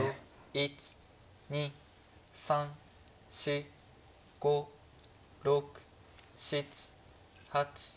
１２３４５６７８。